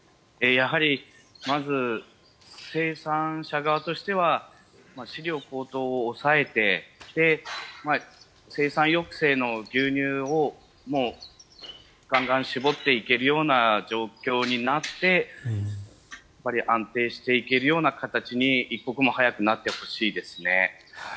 やはりまず、生産者側としては飼料高騰を抑えて生産抑制の牛乳をがんがん搾っていけるような状況になって安定していけるような形に一刻も早くなってほしいですね。